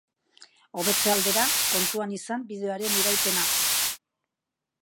Hobetze aldera, kontuan izan bideoaren iraupena.